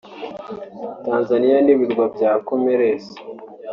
Tanzania n’Ibirwa bya Comores